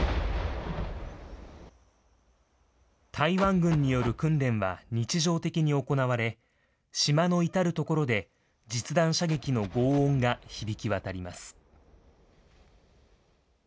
台湾軍による訓練は日常的に行われ、島の至る所で実弾射撃のごう音が響き渡ります。